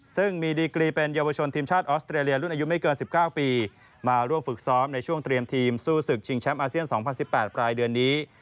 ซึ่งมีดีกรีเป็นเยาวชนทีมชาติออสเตรเลียรุ่นอายุไม่เกิน๑๙ปีมาร่วมฝึกซ้อมในช่วงเตรียมทีมสู้ศึกชิงแชมป์อาเซียน๒๐๑๘ปลายเดือนนี้